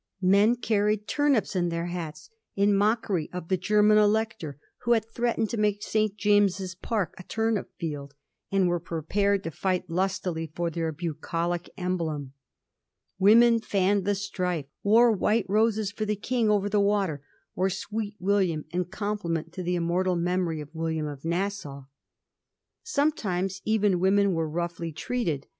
Men carried turnips in their hats in mockery of the Grerman elector who had threatened to make St. James's Park a turnip field, and were prepared to fight lustily for their bucolic emblem. Women fanned the strife, wore white roses for the King over the water, or Sweet William in compliment to the ' immortal memory ' of William of Nassau. Sometimes even women were roughly treated.